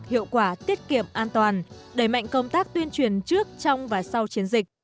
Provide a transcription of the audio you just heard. hiệu quả tiết kiệm an toàn đẩy mạnh công tác tuyên truyền trước trong và sau chiến dịch